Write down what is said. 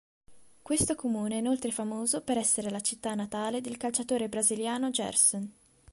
Questo comune è inoltre famoso per essere la città natale del calciatore brasiliano Gerson.